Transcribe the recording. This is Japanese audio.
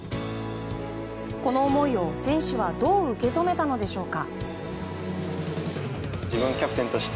この思いを選手はどう受け止めたのでしょうか。